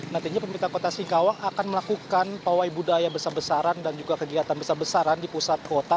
nantinya pemerintah kota singkawang akan melakukan pawai budaya besar besaran dan juga kegiatan besar besaran di pusat kota